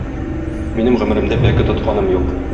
Минем гомеремдә пәке тотканым юк.